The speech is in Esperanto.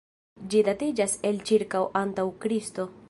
Ĝi datiĝas el ĉirkaŭ antaŭ Kristo.